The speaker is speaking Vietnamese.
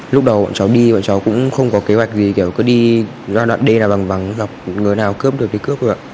lúc đầu bọn cháu đi bọn cháu cũng không có kế hoạch gì kiểu cứ đi ra đoạn đê là bằng vắng dọc người nào cướp được đi cướp được ạ